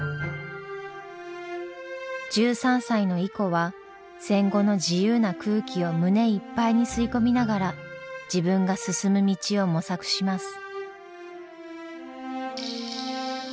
１３歳のイコは戦後の自由な空気を胸いっぱいに吸い込みながら自分が進む道を模索します。